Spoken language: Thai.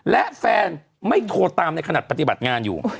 และแฟนไม่โทรตามในขณะปฏิบัติงานอยู่